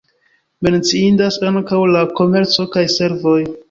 Menciindas ankaŭ la komerco kaj servoj.